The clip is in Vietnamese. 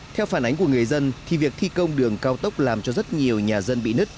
theo phản ánh của người dân thì việc thi công đường cao tốc làm cho rất nhiều nhà dân bị nứt